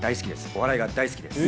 お笑いが大好きです。